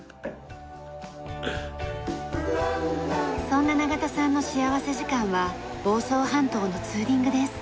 そんな長田さんの幸福時間は房総半島のツーリングです。